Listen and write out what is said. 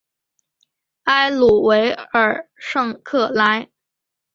埃鲁维尔圣克莱。